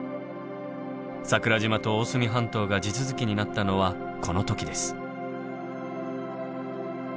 桜島と大隅半島が地続きになったのはこの時です。